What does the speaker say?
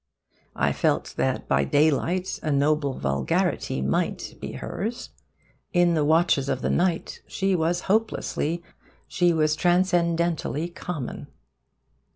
I felt that by daylight a noble vulgarity might be hers. In the watches of the night she was hopelessly, she was transcendently common.